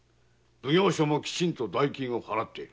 奉行所もきちんと代金を払っている。